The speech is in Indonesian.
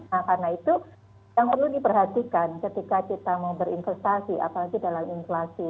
nah karena itu yang perlu diperhatikan ketika kita mau berinvestasi apalagi dalam inflasi